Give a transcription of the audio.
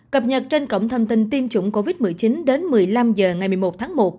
cập nhật trên cổng thông tin tiêm chủng covid một mươi chín đến một mươi năm h ngày một mươi một tháng một